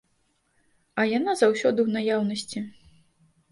А яна заўсёды ў наяўнасці.